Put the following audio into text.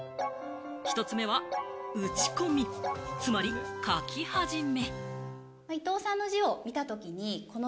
１つ目は、うちこみ、つまり書き始め。